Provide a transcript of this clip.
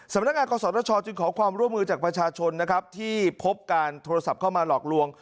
พนักงานกศชจึงขอความร่วมมือจากประชาชนนะครับที่พบการโทรศัพท์เข้ามาหลอกลวง